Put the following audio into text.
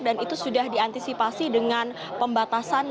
dan itu sudah diantisipasi dengan pembatasan